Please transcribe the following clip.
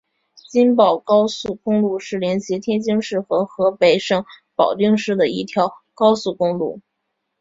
津保高速公路是连接天津市和河北省保定市的一条高速公路。